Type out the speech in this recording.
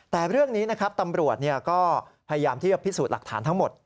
แต่เรื่องนี้นะครับตำรวจก็พยายามที่จะพิสูจน์หลักฐานทั้งหมด